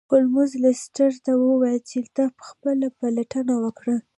هولمز لیسټرډ ته وویل چې ته خپله پلټنه وکړه.